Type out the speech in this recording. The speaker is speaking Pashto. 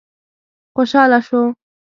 خوشاله شو.